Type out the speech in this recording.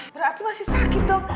berarti masih sakit dong